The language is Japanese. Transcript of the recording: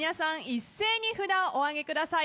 一斉に札をお挙げください。